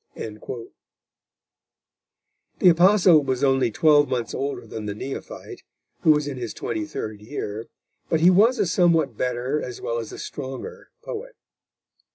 _ The Apostle was only twelve months older than the Neophyte, who was in his twenty third year, but he was a somewhat better as well as stronger poet.